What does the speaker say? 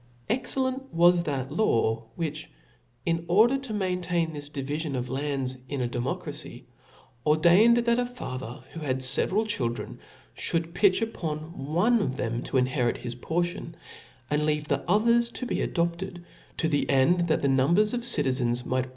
Excellent was that law, which, in order to maintain this divifion of lands in a democracy, or* dained, that a father, who had feveral children, (hould pitch upon one of them to inherit his £a»^ law P^^^^^^ (*")'^"^'^^^^^^^ others to be adopted, of this .to the, end that the number of citizens might 3??